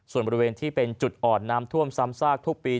ส่วนบริเวณที่เป็นจุดอ่อนน้ำท่วมซ้ำซากทุกปี